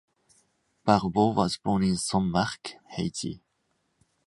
Barbot was born in Saint-Marc, Haiti.